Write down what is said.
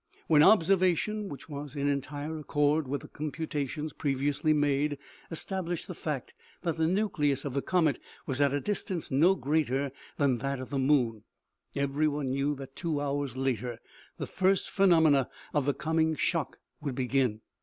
When observation, which was in entire accord with the computations previously made, established the fact that the nucleus of the comet was at a distance no greater than that of the moon, everyone knew that two hours later the first phenomena of the coming shock would begin.